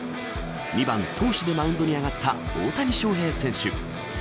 ２番投手でマウンドに上がった大谷翔平選手。